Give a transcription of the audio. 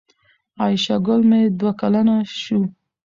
عایشه ګل مې دوه کلنه شو